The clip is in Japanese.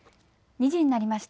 ２時になりました。